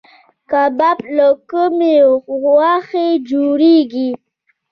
کباب له کومې غوښې جوړیږي؟